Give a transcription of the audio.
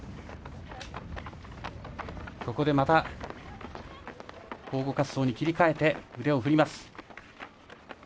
ここで、交互滑走に切り替えて腕を振ります。